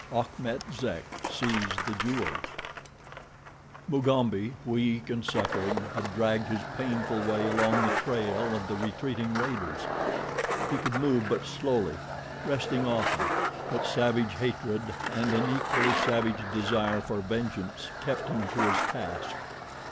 Achmet Zek Sees the Jewels Mugambi, weak and suffering, had dragged his painful way along the trail of the retreating raiders. He could move but slowly, resting often; but savage hatred and an equally savage desire for vengeance kept him to his task.